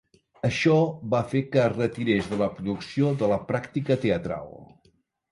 Això va fer que es retirés de la producció de la pràctica teatral.